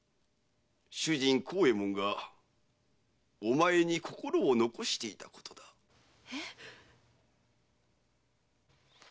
主人の幸右衛門がお前に心を残していたことだ。え？